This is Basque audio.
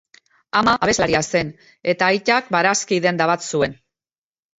Ama abeslaria zen eta aitak barazki denda bat zuen.